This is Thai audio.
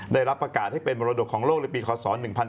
ได้รับประกาศให้เป็นมรดกของโลกในปีคศ๑๕